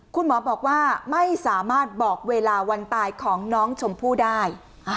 คุณหมอบอกว่าไม่สามารถบอกเวลาวันตายของน้องชมพู่ได้